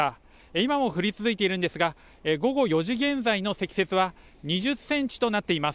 今も降り続いているんですが、午後４時現在の積雪は２０センチとなっています。